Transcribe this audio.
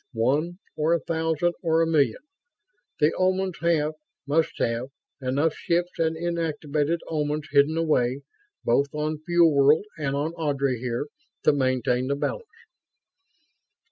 "One or a thousand or a million, the Omans have must have enough ships and inactivated Omans hidden away, both on Fuel World and on Ardry here, to maintain the balance."